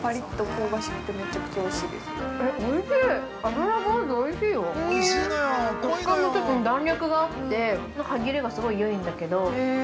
食感もちょっと弾力があって歯切れが、すごいよいんだけど。